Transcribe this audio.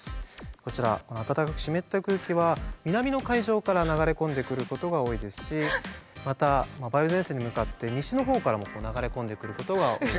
こちらこのあたたかく湿った空気は南の海上から流れ込んでくることが多いですしまた梅雨前線に向かって西の方からも流れ込んでくることが多い。